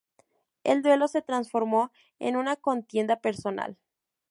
El duelo se transformó en una contienda personal.